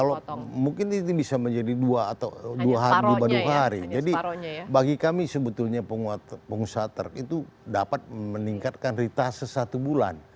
nah ini bisa menjadi dua atau dua hari jadi bagi kami sebetulnya pengusaha truk itu dapat meningkatkan ritasnya satu bulan